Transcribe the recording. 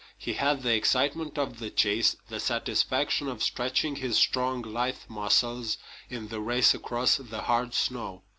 He had the excitement of the chase, the satisfaction of stretching his strong, lithe muscles in the race across the hard snow.